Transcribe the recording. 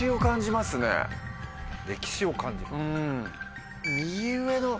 歴史を感じる。